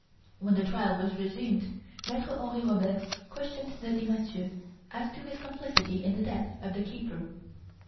When the trial was resumed, Maitre Henri Robert questioned Daddy Mathieu as to his complicity in the death of the keeper.